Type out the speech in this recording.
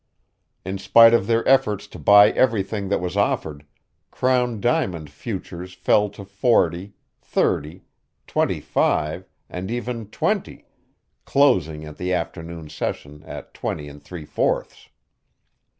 In spite of their efforts to buy everything that was offered, Crown Diamond "futures" fell to forty, thirty, twenty five, and even twenty, closing at the afternoon session at twenty and three fourths.